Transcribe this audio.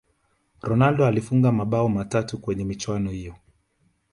ronaldo alifunga mabao matatu kwenye michuano hiyo